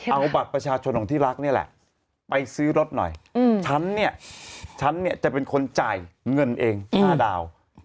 เอาบัตรประชาชนของที่รักเนี่ยแหละ